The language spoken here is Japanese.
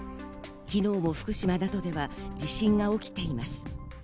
昨日も福島などでは地震が起きています。